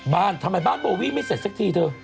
บ้านทำไมบ้านโบวี่ไม่เสร็จสักทีเธอ